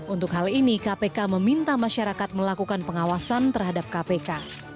untuk hal ini kpk meminta masyarakat melakukan pengawasan terhadap kpk